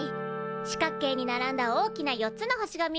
四角形に並んだ大きな４つの星が見えますか？